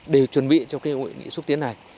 đều chuẩn bị cho cái hội nghị xúc tiến này